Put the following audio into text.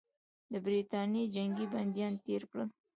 د برټانیې جنګي بندیان تېر کړل.